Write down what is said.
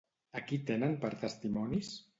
A qui tenen per testimonis?